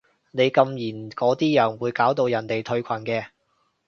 你禁言嗰啲人會搞到人哋退群嘅